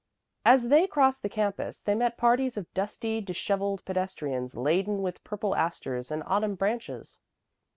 As they crossed the campus, they met parties of dusty, disheveled pedestrians, laden with purple asters and autumn branches.